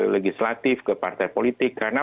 legislatif ke partai politik karena